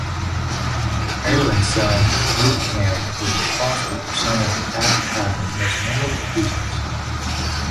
Ayer and Son, Rubicam was responsible for some of advertising's most memorable pieces.